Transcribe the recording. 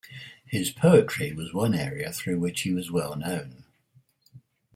His poetry was one area through which he was well known.